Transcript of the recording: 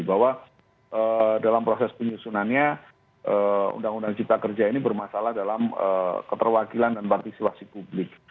bahwa dalam proses penyusunannya undang undang cipta kerja ini bermasalah dalam keterwakilan dan partisipasi publik